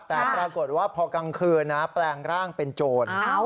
แต่ปรากฏว่าพอกลางคืนนะแปลงร่างเป็นโจร